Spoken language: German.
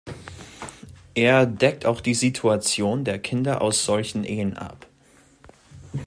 Er deckt auch die Situation der Kinder aus solchen Ehen ab.